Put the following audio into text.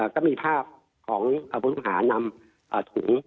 ก็มีภาพของพุทธภาพนำถุง